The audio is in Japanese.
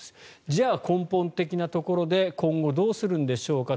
じゃあ、根本的なところで今後どうするんでしょうか。